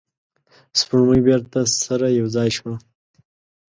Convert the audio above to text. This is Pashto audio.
سپوږمۍ بیرته سره یو ځای شوه.